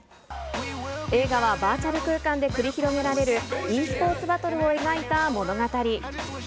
映画はバーチャル空間で繰り広げられる、ｅスポーツバトルを描いた物語。